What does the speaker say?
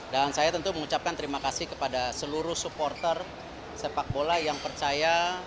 dan saya tentu mengucapkan terima kasih kepada seluruh supporter sepak bola yang percaya